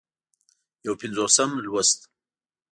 یو پينځوسم لوست